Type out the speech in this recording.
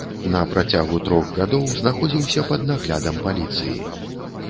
На працягу трох гадоў, знаходзіўся пад наглядам паліцыі.